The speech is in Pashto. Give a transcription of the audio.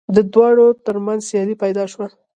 د دواړو تر منځ سیالي پیدا شوه